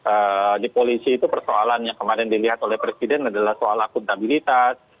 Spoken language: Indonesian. karena di polisi itu persoalan yang kemarin dilihat oleh presiden adalah soal akuntabilitas